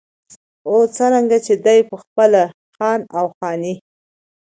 او څرنګه چې دى پخپله خان و او خاني